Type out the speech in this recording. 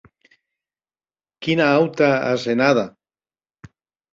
Quina auta asenada!